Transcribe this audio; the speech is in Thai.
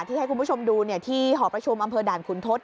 ให้คุณผู้ชมดูที่หอประชุมอำเภอด่านขุนทศ